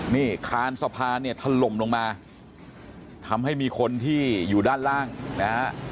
นี่คานสะพานเนี่ยถล่มลงมาทำให้มีคนที่อยู่ด้านล่างนะฮะ